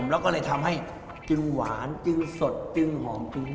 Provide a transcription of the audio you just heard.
และทำให้กลุ่นหุ้มกู้ม